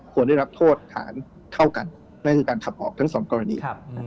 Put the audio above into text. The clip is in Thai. ควรได้รับโทษฐานเท่ากันนั่นคือการขับออกทั้งสองกรณี